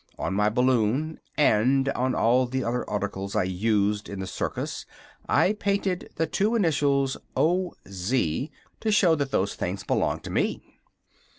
On my balloon and on all the other articles I used in the circus I painted the two initials: 'O. Z.', to show that those things belonged to me.